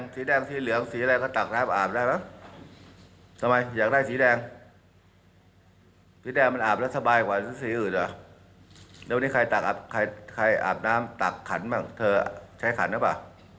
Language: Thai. ตรวจนี้ใครอาบน้ำตักขันบ้างเธอใช้ขันแล้วป่ะ